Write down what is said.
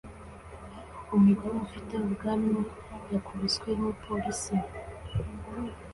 Umugabo ufite ubwanwa yakubiswe n'umupolisi